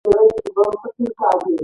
پکورې د کور مینه تازه کوي